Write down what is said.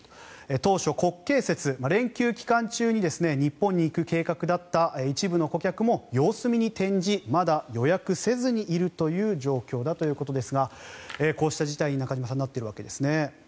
当初、国慶節連休期間中に日本に行く計画だった一部の顧客も様子見に転じまだ予約せずにいるという状況だということですがこうした事態に、中島さんなっているわけですね。